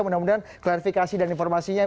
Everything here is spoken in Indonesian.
mudah mudahan klarifikasi dan informasinya